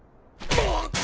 あっ？